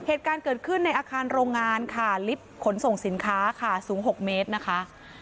เหตุการณ์เกิดขึ้นในอาคารโรงงานค่ะลิฟต์ขนส่งสินค้าค่ะสูง๖เมตรนะคะ